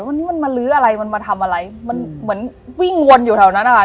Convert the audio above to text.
วันนี้มันมาลื้ออะไรมันมาทำอะไรมันเหมือนวิ่งวนอยู่แถวนั้นนะคะ